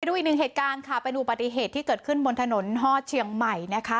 ดูอีกหนึ่งเหตุการณ์ค่ะเป็นอุบัติเหตุที่เกิดขึ้นบนถนนฮอดเชียงใหม่นะคะ